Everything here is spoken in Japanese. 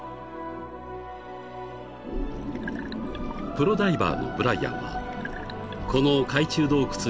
［プロダイバーのブライアンはこの海中洞窟に魅了され島に移住。